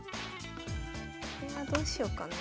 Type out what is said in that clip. これはどうしよっかな。